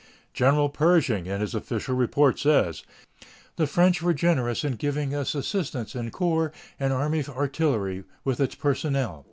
General Pershing in his official report says: "The French were generous in giving us assistance in corps and army artillery, with its personnel."